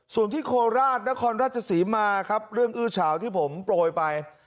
ส่วนที่โคราชนครราชศรีมาครับเรื่องอื้อเฉาที่ผมโปรยไป